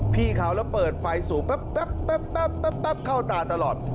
พี่เขาแล้วเปิดไฟสูงแป๊บเข้าตาตลอด